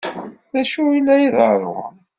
D acu la iḍerrun?